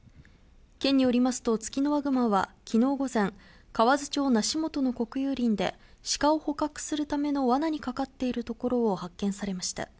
県によりますと、ツキノワグマはきのう午前、河津町梨本の国有林でシカを捕獲するためのわなにかかっているところを発見されました。